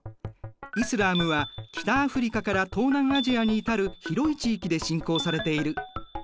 イスラームは北アフリカから東南アジアに至る広い地域で信仰されている。